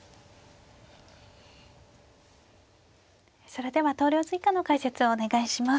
それでは投了図以下の解説をお願いします。